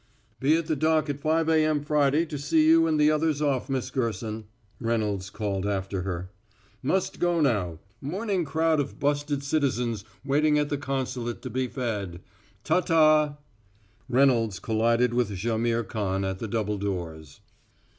"Be at the dock at five A.M. Friday to see you and the others off, Miss Gerson," Reynolds called after her. "Must go now morning crowd of busted citizens waiting at the consulate to be fed. Ta ta!" Reynolds collided with Jaimihr Khan at the double doors.